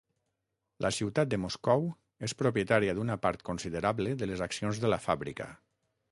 La ciutat de Moscou és propietària d'una part considerable de les accions de la fàbrica.